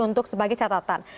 untuk sebagai catatan